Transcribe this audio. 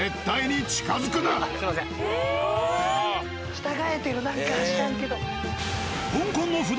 従えてる何か知らんけど。